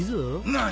何？